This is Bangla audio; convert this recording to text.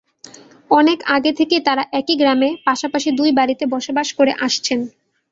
অনেক আগে থেকেই তাঁরা একই গ্রামে পাশাপাশি দুই বাড়িতে বসবাস করে আসছেন।